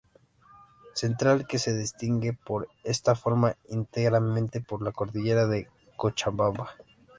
Central, que se distingue por estar formada íntegramente por la cordillera de Cochabamba.